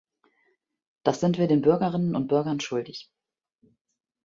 Das sind wir den Bürgerinnen und Bürgern schuldig.